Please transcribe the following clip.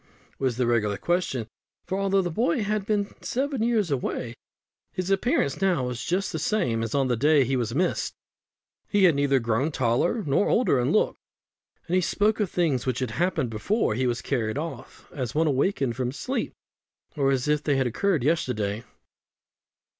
was the regular question; for although the boy had been seven years away, his appearance now was just the same as on the day he was missed. He had neither grown taller nor older in look, and he spoke of things which had happened before he was carried off as one awakened from sleep, or as if they had occurred yesterday.